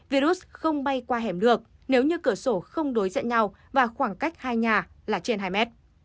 virus không bay qua hẻm được nếu như cửa sổ không đối diện nhau và khoảng cách hai nhà là trên hai mét